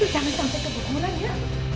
jangan sampai kebukunan ya